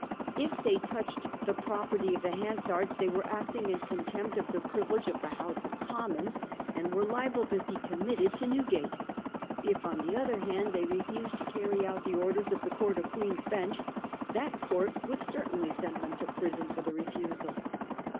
If they touched the property of the Hansards they were acting in contempt of the privilege of the House of Commons, and were liable to be committed to Newgate. If, on the other hand, they refused to carry out the orders of the Court of Queen's Bench, that court would certainly send them to prison for the refusal.